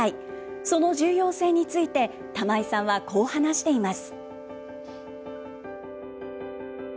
その重要性について、玉井さんはこう話しています。